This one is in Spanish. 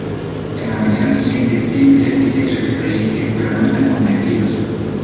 A la mañana siguiente Sid les dice su experiencia, pero no están convencidos.